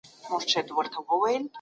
په نړۍ کي د سوله ییز ژوند لار خپله کړئ.